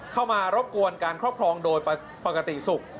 เข้ามารบกวนการครอบครองโดยปกติศุกร์